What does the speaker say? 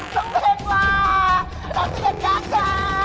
ต้องแพงกว่า๒๑